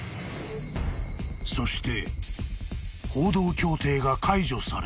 ［そして］